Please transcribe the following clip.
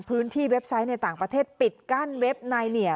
เว็บไซต์ในต่างประเทศปิดกั้นเว็บไนเนีย